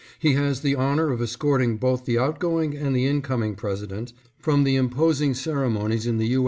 He has the honor of escorting both the outgoing and the incoming Presi dent, from the imposing ceremonies in the U.